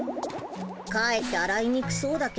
かえってあらいにくそうだけど。